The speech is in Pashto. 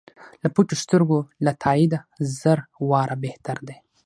له پټو سترګو له تاییده زر واره بهتر دی.